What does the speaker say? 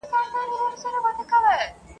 د غوجل او د ګورم د څښتنانو !.